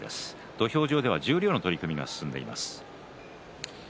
土俵上では十両の取組が進んでいます。